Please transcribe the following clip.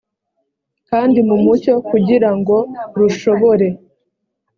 kandi mu mucyo kugira ngo rushobore